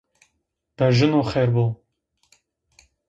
Berjino xêr bo!